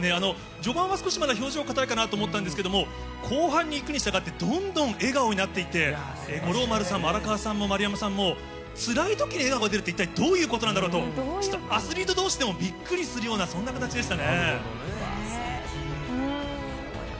序盤は少しまだ、表情硬いかなと思ったんですけど、後半にいくにしたがって、どんどん笑顔になっていって、五郎丸さんも荒川さんも丸山さんも、つらいときに笑顔が出るって、いったいどういうことなんだろうと、ちょっとアスリートどうしでもびっくりするよううわー、すてき。